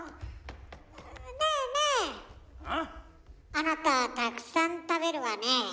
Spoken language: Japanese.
あなたたくさん食べるわねえ。